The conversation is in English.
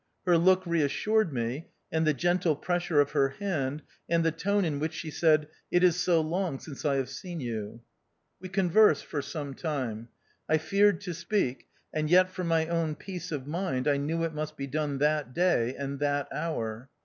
Her look reassured me, and the gentle pressure of her hand, and the tone in which she said, "It is so long since I have seen you." We conversed for some time. I feared to speak, and yet for my own peace of mind I knew it must be done that day, and that hour.